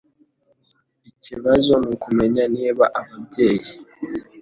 Ikibazo nukumenya niba ababyeyi